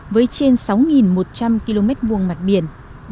với trên sáu một trăm linh km hai mặt biển